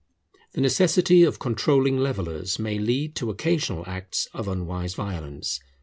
The necessity of controlling levellers may lead to occasional acts of unwise violence.